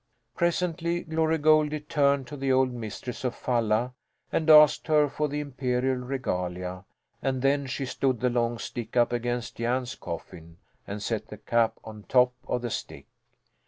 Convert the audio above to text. Presently Glory Goldie turned to the old mistress of Falla and asked her for the imperial regalia, and then she stood the long stick up against Jan's coffin and set the cap on top of the stick.